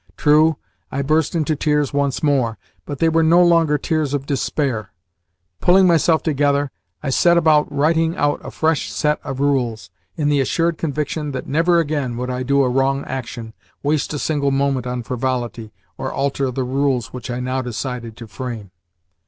True, I burst into tears once more, but they were no longer tears of despair. Pulling myself together, I set about writing out a fresh set of rules, in the assured conviction that never again would I do a wrong action, waste a single moment on frivolity, or alter the rules which I now decided to frame.